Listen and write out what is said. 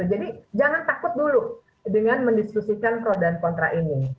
jadi jangan takut dulu dengan mendiskusikan pro dan kontra ini